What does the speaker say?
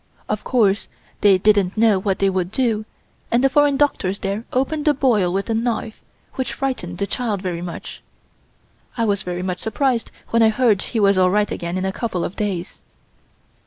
Of course they didn't know what they would do, and the foreign doctor there opened the boil with a knife, which frightened the child very much. I was very much surprised when I heard he was all right again in a couple of days."